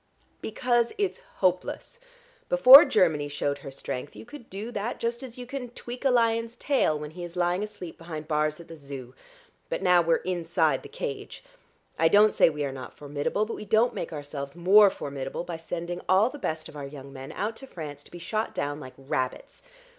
"Because it's hopeless. Before Germany shewed her strength you could do that just as you can tweak a lion's tail when he is lying asleep behind bars at the Zoo. But now we're inside the cage. I don't say we are not formidable, but we don't make ourselves more formidable by sending all the best of our young men out to France to be shot down like rabbits.